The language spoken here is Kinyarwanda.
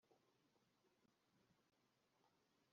ufite ibyo twibuka mu mutima wawe.